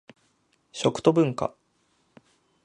食と文化